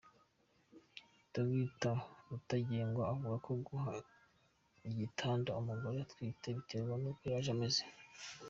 Dr Rutagengwa avuga ko guha igitanda umugore utwite biterwa n’uko yaje ameze.